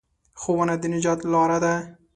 ښوونه د نجات لاره ده.